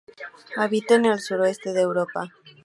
Habita en el sureste de Europa.